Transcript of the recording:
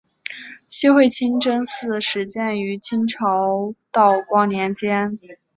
西会清真寺始建于清朝道光年间。